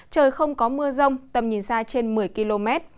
trời không có mưa rông tầm nhìn xa trên một mươi km